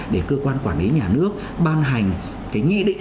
để cơ quan quản lý nhà nước ban hành cái nghị định